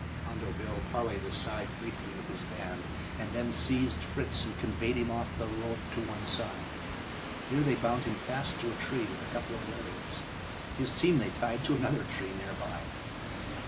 Hondo Bill parleyed aside briefly with his band, and then they seized Fritz and conveyed him off the road to one side. Here they bound him fast to a tree with a couple of lariats. His team they tied to another tree near by.